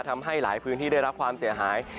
ทำให้หลายพื้นที่ได้รับความเสียหาย